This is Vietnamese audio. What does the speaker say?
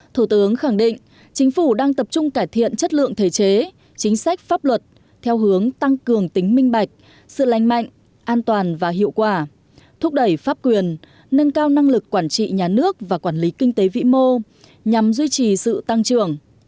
thủ tướng khẳng định chính phủ đang tập trung cải thiện chất lượng thể chế chính sách pháp luật theo hướng tăng cường tính minh bạch sự lành mạnh an toàn và hiệu quả thúc đẩy pháp quyền nâng cao năng lực quản trị nhà nước và quản lý kinh tế vĩ mô nhằm duy trì sự tăng trưởng